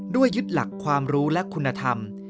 ยึดหลักความรู้และคุณธรรม